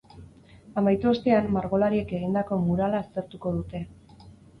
Amaitu ostean, margolariek egindako murala aztertuko dute.